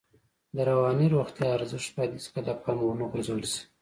د رواني روغتیا ارزښت باید هېڅکله له پامه ونه غورځول شي.